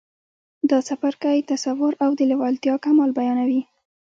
دا څپرکی تصور او د لېوالتیا کمال بيانوي.